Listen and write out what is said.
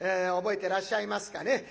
覚えてらっしゃいますかね？